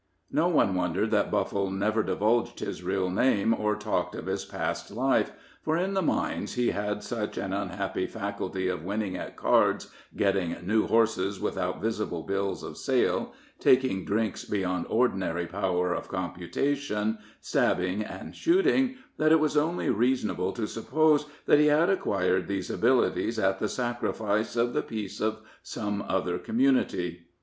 No one wondered that Buffle never divulged his real name, or talked of his past life; for in the mines he had such an unhappy faculty of winning at cards, getting new horses without visible bills of sale, taking drinks beyond ordinary power of computation, stabbing and shooting, that it was only reasonable to suppose that he had acquired these abilities at the sacrifice of the peace of some other community.